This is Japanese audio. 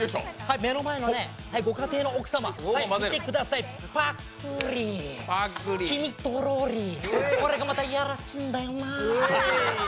目の前のご家庭の奥様、見てください、ぱっくり、黄身とろり、これがまたいやらしいんだよな。